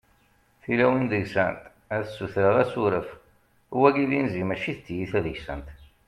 tilawin deg-sent ad ssutreɣ asuref, wagi d inzi mačči t-tiyita deg-sent